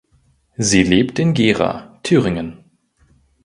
Sie lebt in Gera (Thüringen).